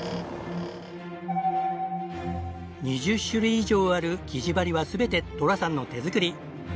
２０種類以上ある擬餌針は全て寅さんの手作り。